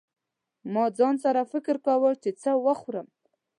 ما ځان سره فکر کاوه چې څه وخورم.